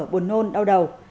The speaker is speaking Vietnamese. buồn nôn đau đầu